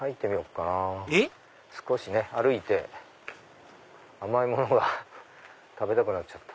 少し歩いて甘いものが食べたくなっちゃった。